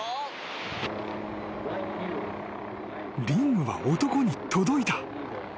［リングは男に届いた］